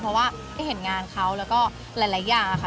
เพราะว่าได้เห็นงานเขาแล้วก็หลายอย่างค่ะ